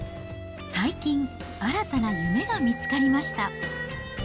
最近、新たな夢が見つかりました。